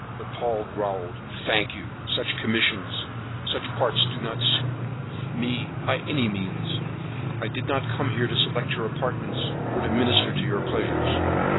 But Paul growled, "Thank you, such commissions and such parts do not suit me, by any means. I did not come here to select your apartments or to minister to your pleasures."